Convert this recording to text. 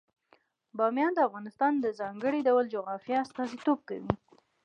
بامیان د افغانستان د ځانګړي ډول جغرافیه استازیتوب کوي.